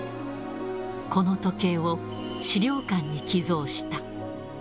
この時計を資料館に寄贈した。